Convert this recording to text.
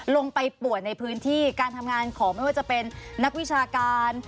ป่วยในพื้นที่การทำงานของไม่ว่าจะเป็นนักวิชาการ